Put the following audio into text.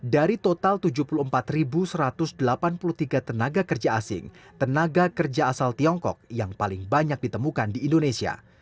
dari total tujuh puluh empat satu ratus delapan puluh tiga tenaga kerja asing tenaga kerja asal tiongkok yang paling banyak ditemukan di indonesia